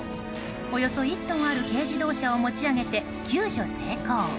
およそ１トンある軽自動車を持ち上げて救助成功。